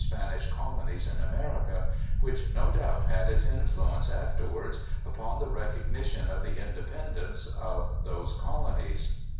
107 Spanish Colonies in America, which no doubt had its influenoe afterwards upon the recognition of the independence of those colonies.